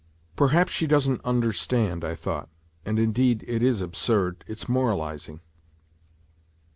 " Perhaps she doesn't understand," I thought, " and, indeed, it is absurd it's moralizing."